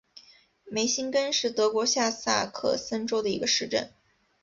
梅辛根是德国下萨克森州的一个市镇。